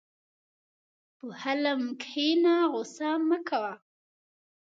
په حلم کښېنه، غوسه مه کوه.